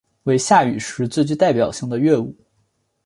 为夏禹时最具代表性的乐舞。